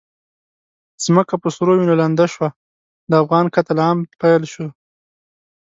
ځمکه په سرو وینو لنده شوه، د افغان قتل عام پیل شو.